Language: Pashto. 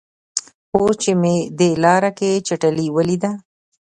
اوس چې مې دې لاره کې چټلي ولیده.